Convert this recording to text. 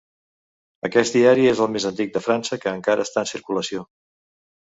Aquest diari és el més antic de França que encara està en circulació.